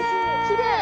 きれい！